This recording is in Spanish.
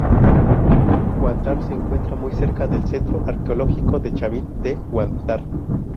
Huántar se encuentra muy cerca del centro arqueológico de Chavín de Huántar.